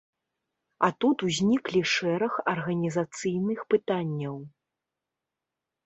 А тут узніклі шэраг арганізацыйных пытанняў.